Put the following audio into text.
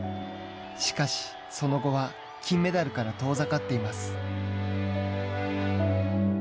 しかし、その後は金メダルから遠ざかっています。